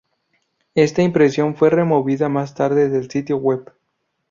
Esta impresión fue removida más tarde del sitio web.